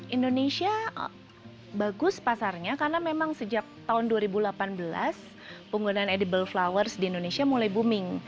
indonesia bagus pasarnya karena memang sejak tahun dua ribu delapan belas penggunaan edible flowers di indonesia mulai booming